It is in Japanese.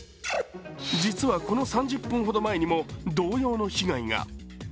実はこの３０分ほど前にも同様の被害が。